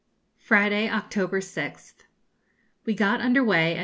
Friday, October 6th. We got under way at 5.